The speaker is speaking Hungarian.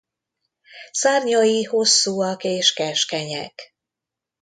Szárnyai hosszúak és keskenyek.